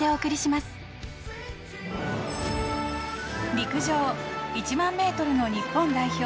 陸上１００００メートルの日本代表